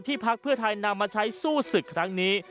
พักเพื่อไทยนำมาใช้สู้ศึกครั้งนี้